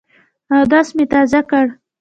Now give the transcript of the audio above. اودس مي تازه کړ .